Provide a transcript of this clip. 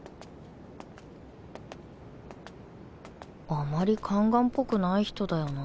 あまり宦官っぽくない人だよな